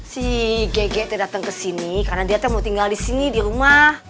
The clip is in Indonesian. si ggt datang kesini karena dia mau tinggal disini di rumah